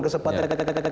kesempatan itu ke sembilan